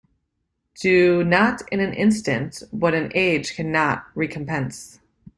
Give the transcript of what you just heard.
Do not in an instant what an age cannot recompense.